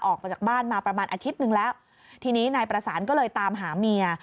ออกมาจากบ้านมาประมาณอาทิตย์หนึ่งแล้วทีนี้นายประสานก็เลยตามหาเมีย